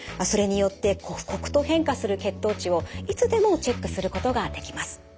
それによって刻々と変化する血糖値をいつでもチェックすることができます。